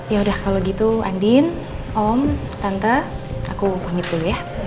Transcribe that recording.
ya udah kalau gitu andin om tante aku pamit dulu ya